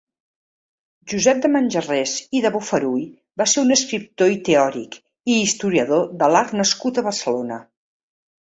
Josep de Manjarrés i de Bofarull va ser un escriptor i teòric i historiador de l’art nascut a Barcelona.